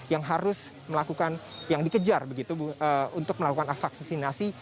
yang harus melakukan yang dikejar begitu untuk melakukan vaksinasi